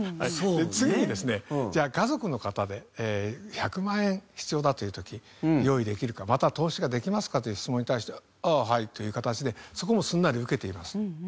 次にですね「じゃあ家族の方で１００万円必要だという時用意できるかまたは投資ができますか？」という質問に対して「ああはい」という形でそこもすんなり受けています。